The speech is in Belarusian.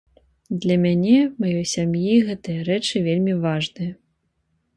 Для мяне, маёй сям'і гэтыя рэчы вельмі важныя.